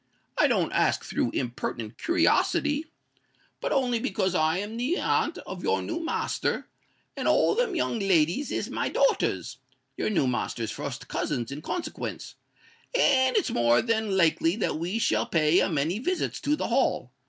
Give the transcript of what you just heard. I don't ask through imperent curiosity; but only because I am the aunt of your new master, and all them young ladies is my daughters, your new master's fust cousins in consequence; and it's more than likely that we shall pay a many visits to the Hall.